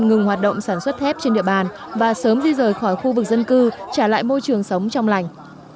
ngừng hoạt động sản xuất thép trên địa bàn và sớm di rời khỏi khu vực dân cư trả lại môi trường sống trong lành